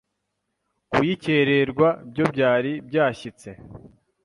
kuyikererwa byo byari byashyitse